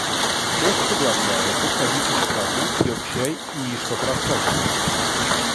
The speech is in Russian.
Гость соглашается, садится к столу, пьет чай и что-то рассказывает.